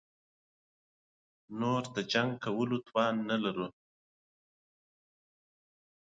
جنګ کولو توان نه لرو.